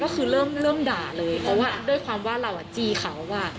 ก็คือเริ่มด่าเลยเพราะว่าด้วยความว่าเราจี้เขาอ่ะ